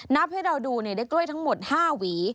ให้เราดูได้กล้วยทั้งหมด๕หวี